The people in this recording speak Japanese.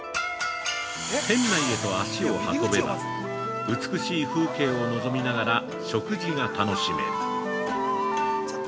店内へと足を運べば美しい風景を望みながら食事が楽しめる。